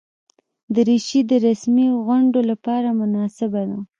دریشي د رسمي غونډو لپاره مناسبه ده.